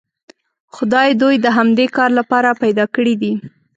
خدای دوی د همدې کار لپاره پیدا کړي دي.